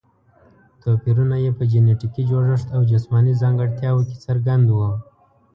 توپیرونه یې په جینټیکي جوړښت او جسماني ځانګړتیاوو کې څرګند وو.